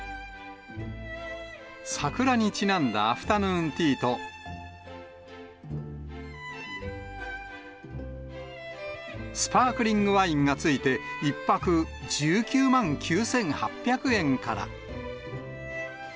桜にちなんだアフタヌーンティーと、スパークリングワインがついて、１泊１９万９８００円から。